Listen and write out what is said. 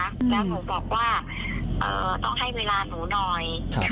แล้วหนูบอกว่าต้องให้เวลาหนูหน่อย